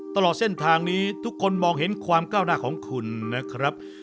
ตลอดเส้นทางนี้ทุกคนมองเห็นความก้าวหน้าของคุณนะครับ